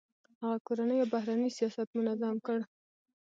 هغه کورنی او بهرنی سیاست منظم کړ.